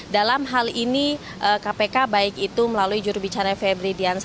dalam hal ini kpk baik itu melalui jurubicara febri diansya